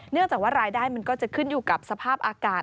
จากว่ารายได้มันก็จะขึ้นอยู่กับสภาพอากาศ